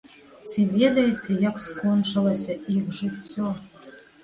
Ці ведаеце, як скончылася іх жыццё?